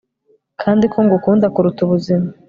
kandi ko ngukunda kuruta ubuzima